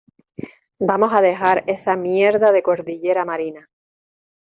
vamos a dejar esa mierda de cordillera marina.